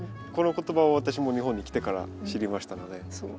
この言葉は私も日本に来てから知りましたので。